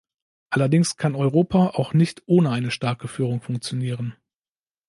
Allerdings kann Europa auch nicht ohne eine starke Führung funktionieren.